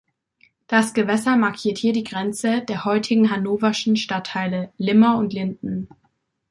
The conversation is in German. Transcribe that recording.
Das Gewässer markiert hier die Grenze der heutigen hannoverschen Stadtteile Limmer und Linden.